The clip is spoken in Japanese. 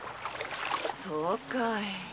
そうかい。